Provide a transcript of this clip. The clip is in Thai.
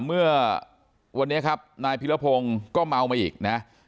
เมื่อวันนี้ครับนายพิรพงศ์ก็เมามาอีกนะ